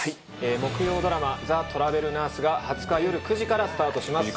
木曜ドラマ『ザ・トラベルナース』が２０日よる９時からスタートします。